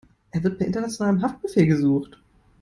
Er wird per internationalem Haftbefehl gesucht.